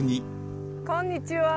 こんにちは。